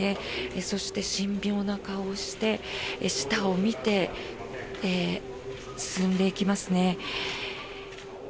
そして、神妙な顔をして下を見て進んでいきますね。